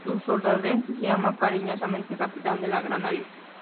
Su soldadesca le llamaba cariñosamente "El capitán de la gran nariz".